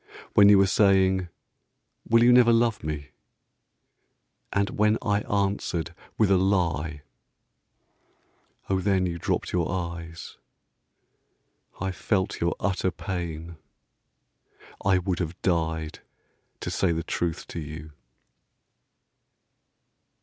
When you were saying, "Will you never love me?" And when I answered with a lie. Oh then You dropped your eyes. I felt your utter pain. I would have died to say the truth to you.